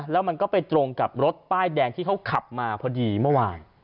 แล้วมันก็ไปตรงกับรถป้ายแดงที่เขาขับมาพอดีเมื่อวาน